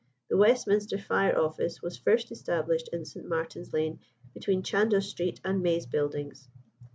The Westminster Fire Office was first established in St. Martin's Lane, between Chandos Street and May's Buildings.